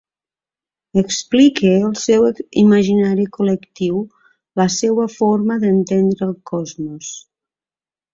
Explique el seu imaginari col·lectiu, la seua forma d’entendre el cosmos.